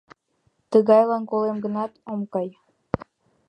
Тыгайлан, колем гынат, ом кай!